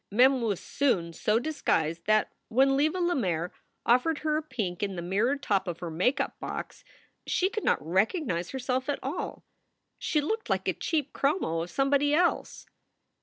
Mem was soon so disguised that when Leva Lemaire offered 130 SOULS FOR SALE her a peek in the mirrored top of her make up box she could not recognize herself at all. She looked like a cheap chromo of somebody else.